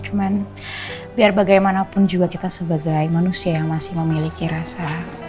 cuman biar bagaimanapun juga kita sebagai manusia yang masih memiliki rasa